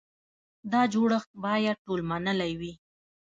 دا جوړښت باید ټول منلی وي.